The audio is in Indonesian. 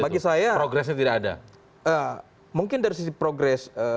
bagi saya mungkin dari sisi progres